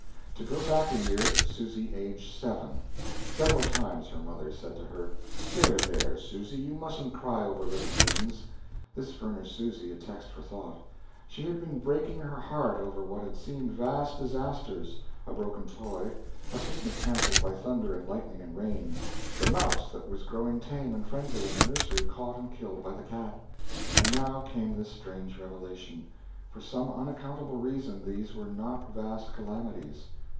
To go back a year Susy aged seven. Several times her mother said to her: "There, there, Susy, you mustn't cry over little things." This furnished Susy a text for thought She had been breaking her heart over what had seemed vast disasters a broken toy; a picnic cancelled by thunder and lightning and rain; the mouse that was growing tame and friendly in the nursery caught and killed by the cat and now came this strange revelation. For some unaccountable reason, these were not vast calamities.